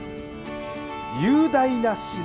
雄大な自然。